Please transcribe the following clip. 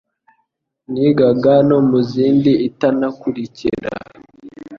nigaga no muzindi itanakurikira